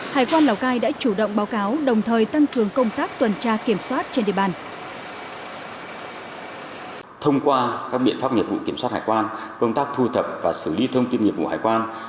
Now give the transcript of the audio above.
hải quan lào cai đã chủ động báo cáo đồng thời tăng cường công tác tuần tra kiểm soát trên địa bàn